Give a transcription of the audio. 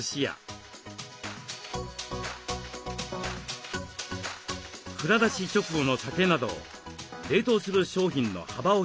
蔵出し直後の酒など冷凍する商品の幅を広げています。